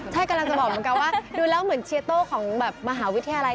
ใช่กำลังจะบอกเหมือนกันว่าดูแล้วเหมือนเชียร์โต้ของแบบมหาวิทยาลัย